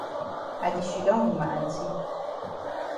I di shidon wit ma aunty.